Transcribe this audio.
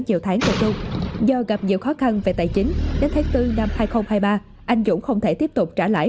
nhiều tháng cho trung do gặp nhiều khó khăn về tài chính đến tháng bốn năm hai nghìn hai mươi ba anh dũng không thể tiếp tục trả lãi